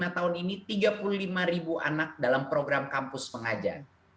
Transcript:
tiga puluh lima tahun ini tiga puluh lima ribu anak dalam program kampus pengajian